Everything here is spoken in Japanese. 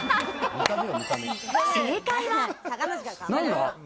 正解は。